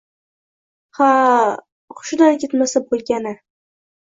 Ha, hushidan ketmasa bo‘lgani…